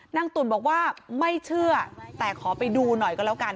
ตุ๋นบอกว่าไม่เชื่อแต่ขอไปดูหน่อยก็แล้วกัน